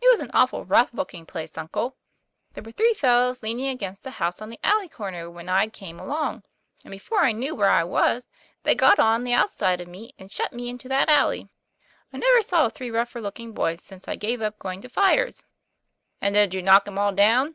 It was an awful rough looking place, uncle. There were three fellows leaning against a house on the alley corner when I came along; and before I knew where I was, they'd got on the out side of me, and shut me into that alley. I never saw three rougher looking boys since I gave up going to fires." TOM PLA YFAIR. 159 *' And did you knock 'em all down